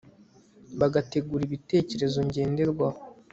bagategura ibitekerezo ngenderwaho